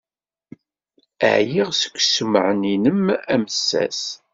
Ɛyiɣ seg ussemɛen-nnem amessas.